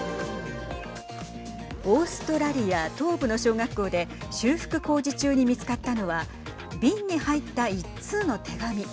オーストラリア東部の小学校で修復工事中に見つかったのは瓶に入った一通の手紙。